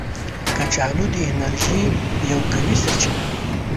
کچالو د انرژي یو قوي سرچینه ده